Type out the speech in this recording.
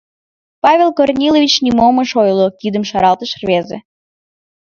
— Павел Корнилович нимом ыш ойло, — кидым шаралтыш рвезе.